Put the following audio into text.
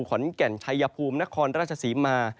ขอนแก่นชัยภูมินครราชศรีมา